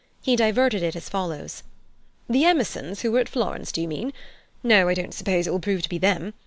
He diverted it as follows: "The Emersons who were at Florence, do you mean? No, I don't suppose it will prove to be them.